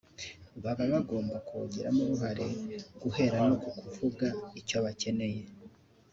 baba bagomba kuwugiramo uruhare guhera no ku kuvuga icyo bakeneye